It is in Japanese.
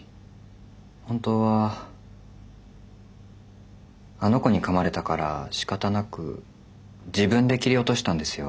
本当はあの子にかまれたからしかたなく自分で切り落としたんですよ。